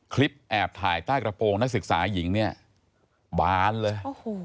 แอบถ่ายใต้กระโปรงนักศึกษาหญิงเนี่ยบานเลย